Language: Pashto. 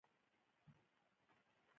تل د پیرودونکي وخت ته ارزښت ورکړه.